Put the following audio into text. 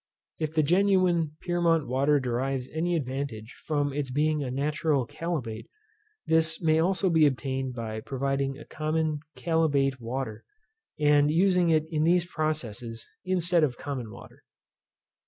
If the genuine Pyrmont water derives any advantage from its being a natural chalybeate, this may also be obtained by providing a common chalybeate water, and using it in these processes, instead of common water.